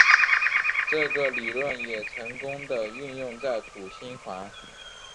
这个理论也成功的运用在土星环。